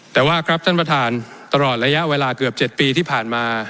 แต่ว่าครับท่านประธานตลอดระยะเวลาเกือบ๗ปีที่ผ่านมา